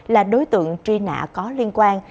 là đối tượng truy nã có liên quan